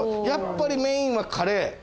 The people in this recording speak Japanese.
やっぱりメインはカレー。